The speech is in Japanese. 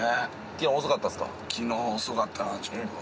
昨日遅かったなちょっと。